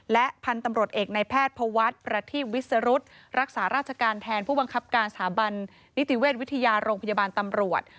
และพันธุ์ตำรวจเอกในแพทย์พวัฒน์ประทีบวิสรุธรักษาราชการแทนผู้บังคับการสถาบันนิติเวชวิทยาโรงพยาบาลตำรวจ